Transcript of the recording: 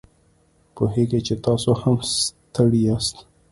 پوهیږو چې تاسو هم ستړي یاست